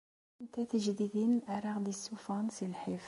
Ha-tent-a tejdidin ara aɣ-d-isuffɣen si lḥif.